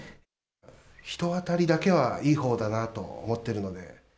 人当たりだけはいいほうだなと思ってるので。